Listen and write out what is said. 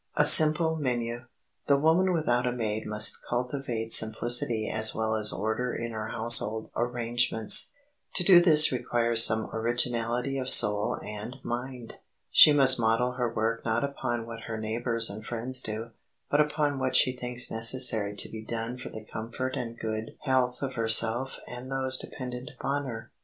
[Sidenote: A SIMPLE MENU] The woman without a maid must cultivate simplicity as well as order in her household arrangements. To do this requires some originality of soul and mind. She must model her work not upon what her neighbors and friends do, but upon what she thinks necessary to be done for the comfort and good health of herself and those dependent upon her.